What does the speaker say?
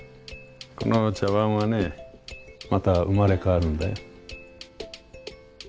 この茶わんはねまた生まれ変わるんだよ。